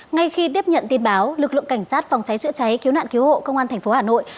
ngay khi tiếp nhận tin báo lực lượng cảnh sát phòng cháy chữa cháy cứu nạn cứu hộ công an thành phố hà nội